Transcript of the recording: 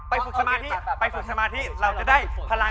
ไปฝึกสมาธิกันไปฝึกสมาธิกัน